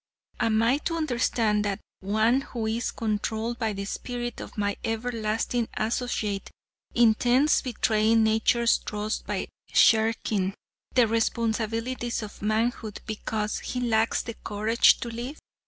Am I to understand that one who is controlled by the spirit of my everlasting associate, intends betraying nature's trust by shirking the responsibilities of manhood, because he lacks the courage to live?